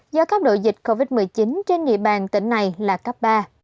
do các đội dịch covid một mươi chín trên địa bàn tỉnh này là cấp ba